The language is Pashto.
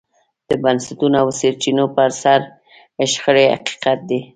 د بنسټونو او سرچینو پر سر شخړې حقیقت دی.